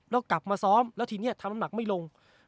แล้วกลับมาซ้อมแล้วทีนี้ทำน้ำหนักไม่ลง